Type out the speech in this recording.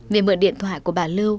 viên mượn điện thoại của bà lưu